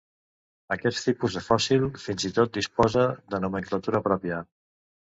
Aquest tipus de fòssil fins i tot disposa de nomenclatura pròpia.